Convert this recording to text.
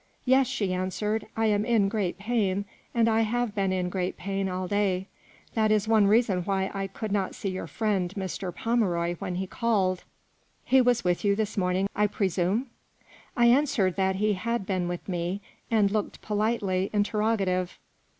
" Yes," she answered ;" I am in great pain, and I have been in great pain all day. That is one reason why I could not see your friend Mr. Pomeroy when he called. He was with you this morning, I presume ?" I answered that he had been with me, and looked politely interrogative.